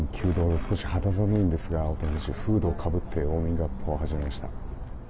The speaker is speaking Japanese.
少し肌寒いんですが大谷選手、フードをかぶってウォーミングアップを始めました。